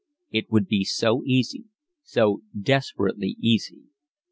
It would be so easy, so desperately easy.